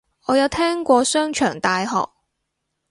我有聽過商場大學